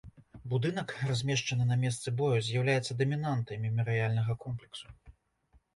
Будынак, размешаны на месцы бою, з'яўляецца дамінантай мемарыяльнага комплексу.